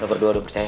lo berdua dupercaya